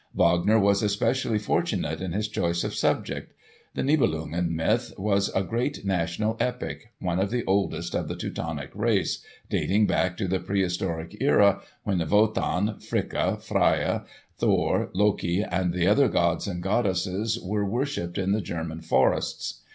Wagner was especially fortunate in his choice of subject. The Nibelungen myth was a great national epic—one of the oldest of the Teutonic race, dating back to the prehistoric era when Wotan, Fricka, Freia, Thor, Loki, and the other gods and goddesses were worshipped in the German forests.